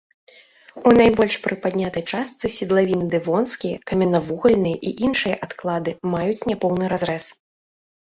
У найбольш прыпаднятай частцы седлавіны дэвонскія, каменнавугальныя і іншыя адклады маюць няпоўны разрэз.